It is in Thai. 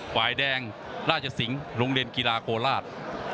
ฝ่ายแดงราชสิงห์โรงเรียนกีฬาโคราช